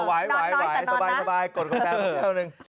อ่าไหวสบายกดกดแปบให้พี่เบิร์ตหนึ่ง